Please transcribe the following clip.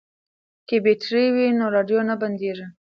که بیټرۍ وي نو راډیو نه بندیږي.